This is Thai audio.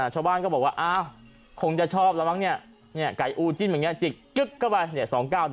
ชาวบ้านก็บอกว่าคงจะชอบแล้วมั้งเนี่ยไก่อูจิ้นแบบนี้จิกกับไป๒๙๑๗